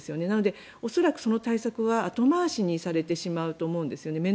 なので、恐らくその対策は後回しにされてしまうと思うんですね。